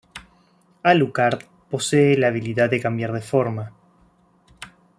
Alucard posee la habilidad de cambiar de forma.